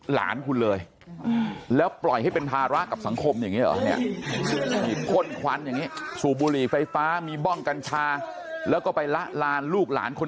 หลานคุณเลยแล้วปล่อยให้เป็นพาระกับสังคมอย่างงี้หรอมีควรควรเห็นอท